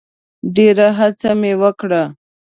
ډېره هڅه مي وکړه .